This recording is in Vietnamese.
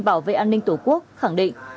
bảo vệ an ninh tổ quốc khẳng định